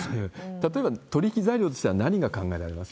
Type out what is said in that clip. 例えば取り引き材料としては何が考えられますか？